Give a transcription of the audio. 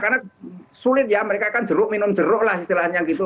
karena sulit ya mereka kan jeruk minum jeruk lah istilahnya gitu